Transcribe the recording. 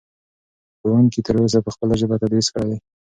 ښوونکي تر اوسه په خپله ژبه تدریس کړی دی.